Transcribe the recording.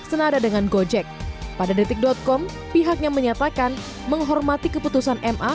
senada dengan gojek pada detik com pihaknya menyatakan menghormati keputusan ma